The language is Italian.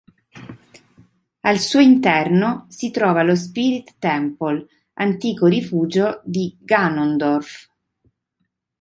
Al suo interno si trova lo Spirit Temple, antico rifugio di "Ganondorf".